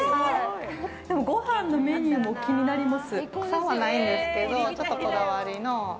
ごはんのメニューも気になります。